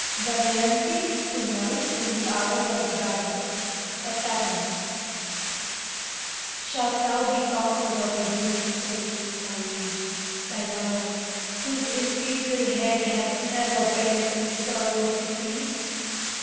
DAMAYANTE TO NALA IN THE HOUR OF EXILE (A fragment) Shalt thou be conquered of a human fate My liege, my lover, whose imperial head Hath never bent in sorrow of defeat?